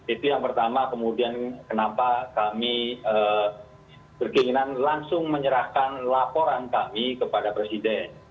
itu yang pertama kemudian kenapa kami berkeinginan langsung menyerahkan laporan kami kepada presiden